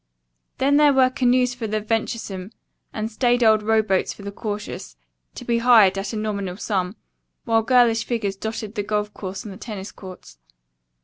Then there were canoes for the venturesome, and staid old rowboats for the cautious, to be hired at a nominal sum, while girlish figures dotted the golf course and the tennis courts.